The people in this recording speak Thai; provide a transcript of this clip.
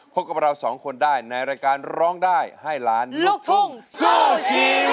พบกับเราสองคนได้ในรายการร้องได้ให้ล้านลูกทุ่งสู้ชีวิต